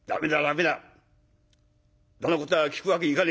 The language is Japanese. んだなことは聞くわけにいかねえ。